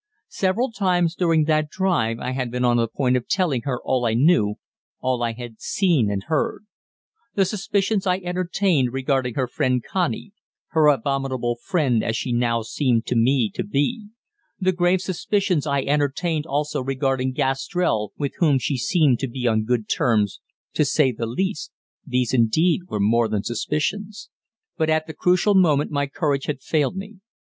Several times during that drive I had been on the point of telling her all I knew, all I had seen and heard: the suspicions I entertained regarding her friend Connie her abominable friend as she now seemed to me to be; the grave suspicions I entertained also regarding Gastrell, with whom she seemed to be on good terms, to say the least these, indeed, were more than suspicions. But at the crucial moment my courage had failed me.